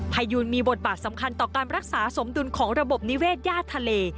ยูนมีบทบาทสำคัญต่อการรักษาสมดุลของระบบนิเวศย่าทะเล